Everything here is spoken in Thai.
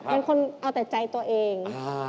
เป็นคนเอาแต่ใจตัวเอง